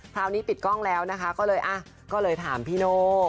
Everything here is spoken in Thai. คราวนี้ปิดกล้องแล้วนะคะก็เลยอ่ะก็เลยถามพี่โน่